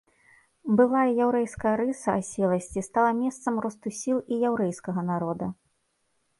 Былая яўрэйская рыса аселасці стала месцам росту сіл і яўрэйскага народа.